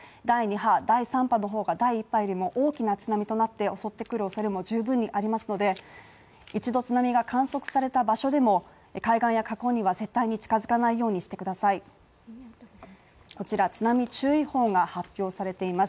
第３波の方が第一波よりも大きな津波となって襲ってくる恐れも十分にありますので、一度津波が観測された場所でも海岸や河口には絶対に近づかないようにしてください